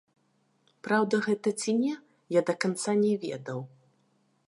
Праўда гэта ці не, я да канца не ведаў.